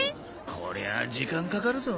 こりゃあ時間かかるぞ。